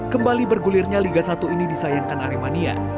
kembali bergulirnya liga satu ini disayangkan aremania